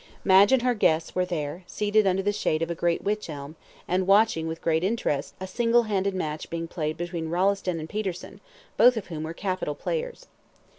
Madge and her guests were there, seated under the shade of a great witch elm, and watching, with great interest, a single handed match being played between Rolleston and Peterson, both of whom were capital players.